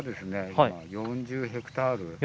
４０ヘクタール！